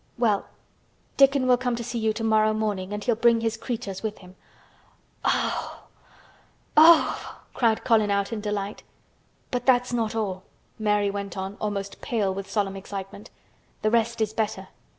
"Well, Dickon will come to see you tomorrow morning, and he'll bring his creatures with him." "Oh! Oh!" Colin cried out in delight. "But that's not all," Mary went on, almost pale with solemn excitement. "The rest is better.